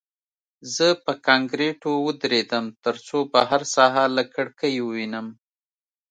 زه په کانکریټو ودرېدم ترڅو بهر ساحه له کړکۍ ووینم